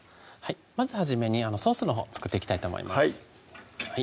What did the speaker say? まず初めにソースのほう作っていきたいと思います